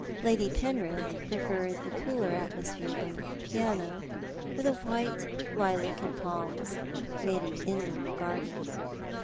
Lady Penrith preferred the cooler atmosphere by the piano, where the white lilac and palms made an indoor garden.